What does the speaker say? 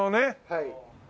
はい。